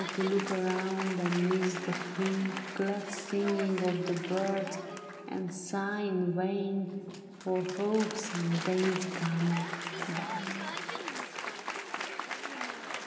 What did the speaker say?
To look around and miss the free Glad singing of the birds, and sigh In vain for hopes and days gone by.